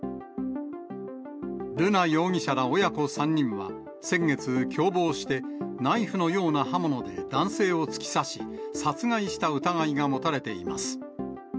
瑠奈容疑者ら親子３人は、先月、共謀して、ナイフのような刃物で男性を突き刺し、殺害した疑いが持たれています。